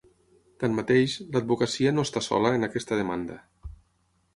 Tanmateix, l’advocacia no està sola en aquesta demanda.